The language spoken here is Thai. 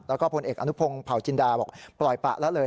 แล้วก็พลเอกอนุพงศ์เผาจินดาบอกปล่อยปะละเลย